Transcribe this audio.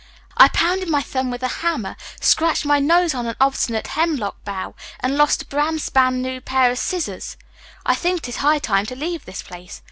"I pounded my thumb with a hammer, scratched my nose on an obstinate hemlock bough, and lost a bran span new pair of scissors. I think it is high time to leave this place.